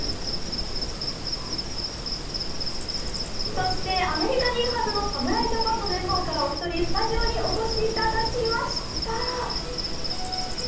そしてアメリカにいるはずの侍ジャパンのメンバーからお一人、スタジオにお越しいただきました。